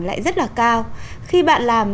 lại rất là cao khi bạn làm